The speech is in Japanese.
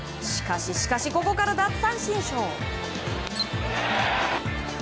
しかし、ここから奪三振ショー。